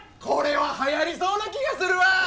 これは流行りそうな気がするわ。